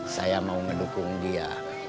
saya mau ngedukung dia